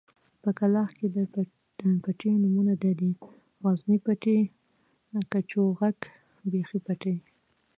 په کلاخ کې د پټيو نومونه دادي: غزني پټی، کچوغک، بېخۍ پټی.